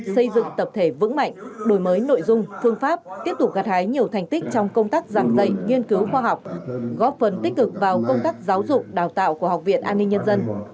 xây dựng tập thể vững mạnh đổi mới nội dung phương pháp tiếp tục gạt hái nhiều thành tích trong công tác giảng dạy nghiên cứu khoa học góp phần tích cực vào công tác giáo dục đào tạo của học viện an ninh nhân dân